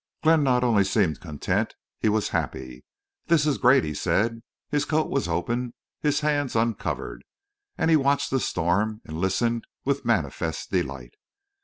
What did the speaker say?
Glenn not only seemed content; he was happy. "This is great," he said. His coat was open, his hands uncovered, and he watched the storm and listened with manifest delight.